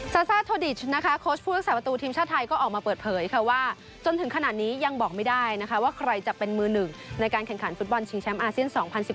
ซาซ่าโทดิชนะคะโค้ชผู้รักษาประตูทีมชาติไทยก็ออกมาเปิดเผยค่ะว่าจนถึงขนาดนี้ยังบอกไม่ได้นะคะว่าใครจะเป็นมือหนึ่งในการแข่งขันฟุตบอลชิงแชมป์อาเซียน๒๐๑๘